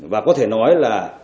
và có thể nói là